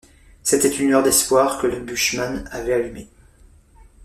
C’était une lueur d’espoir que le bushman avait allumée.